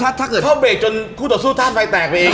ถ้าเกิดชอบเรกจนคู่ต่อสู้ท่านไฟแตกไปเอง